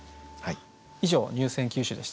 以上入選九首でした。